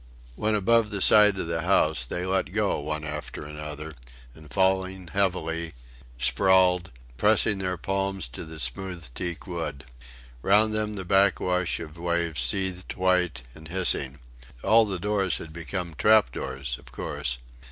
When above the side of the house, they let go one after another, and falling heavily, sprawled, pressing their palms to the smooth teak wood. Round them the backwash of waves seethed white and hissing. All the doors had become trap doors, of course.